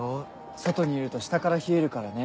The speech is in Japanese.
外にいると下から冷えるからね。